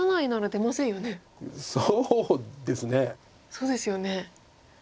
そうですよね。